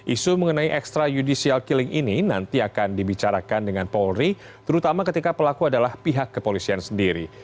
isu mengenai ekstrajudicial killing ini nanti akan dibicarakan dengan polri terutama ketika pelaku adalah pihak kepolisian sendiri